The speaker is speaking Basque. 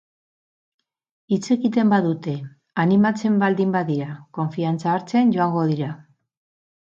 Hitz egiten badute, animatzen baldin badira, konfidantza hartzen joango dira.